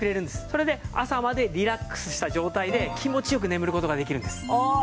それで朝までリラックスした状態で気持ち良く眠る事ができるんです。